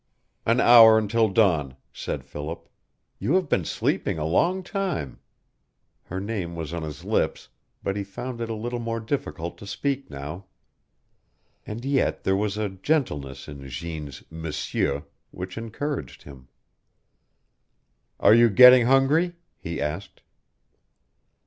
"An hour until dawn," said Philip. "You have been sleeping a long time " Her name was on his lips, but he found it a little more difficult to speak now. And yet there was a gentleness in Jeanne's "M'SIEUR" which encouraged him. "Are you getting hungry?" he asked.